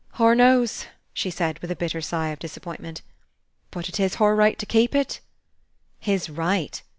"Hur knows," she said with a bitter sigh of disappointment. "But it is hur right to keep it." His right!